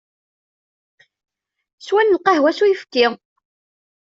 Swant lqahwa s uyefki.